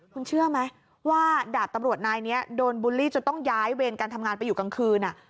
คุณเชื่อไหมว่าดาบตำรวจนายนี้โดนบูลลี่จนต้องย้ายเวรการทำงานไปอยู่กลางคืน